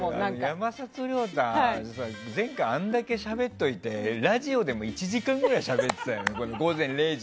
山里亮太は前回あんだけしゃべっといてラジオでも１時間ぐらいしゃべってたよ。